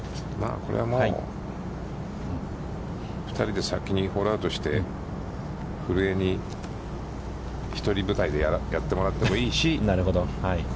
これはもう２人で先にホールアウトして、古江にひとり舞台でやってもらってもいいし。